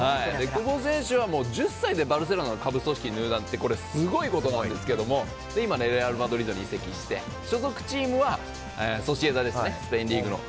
久保選手は１０歳でバルセロナの下部組織に入団ってすごいことなんですけど今レアル・マドリードに移籍して所属チームはソシエダですね。